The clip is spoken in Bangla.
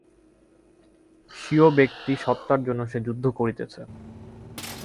স্বীয় ব্যক্তি-সত্তার জন্য সে যুদ্ধ করিতেছে।